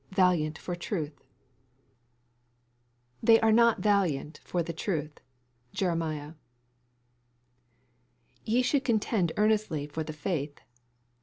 VALIANT FOR TRUTH " They are not valiant for the truth." Jeremiah " Ye should contend earnestly for the faith."